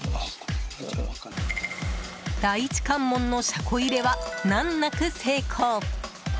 第一関門の車庫入れは難なく成功。